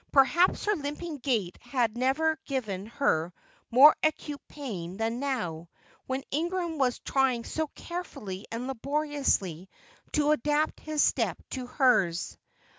Perhaps her limping gait had never given her more acute pain than now, when Ingram was trying so carefully and labouriously to adapt his step to hers.